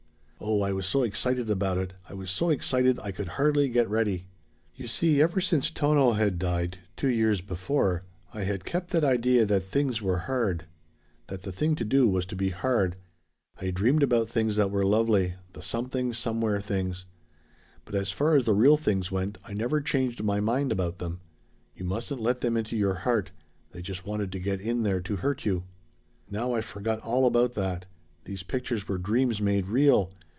"Oh, I was so excited about it! I was so excited I could hardly get ready. "You see ever since Tono had died two years before, I had kept that idea that things were hard. That the thing to do was to be hard. I dreamed about things that were lovely the Something Somewhere things but as far as the real things went I never changed my mind about them. You mustn't let them into your heart. They just wanted to get in there to hurt you. "Now I forgot all about that. These pictures were dreams made real.